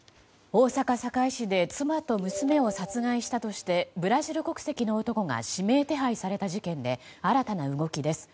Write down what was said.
大阪・堺市で妻と娘を殺害したとしてブラジル国籍の男が指名手配された事件で新たな動きです。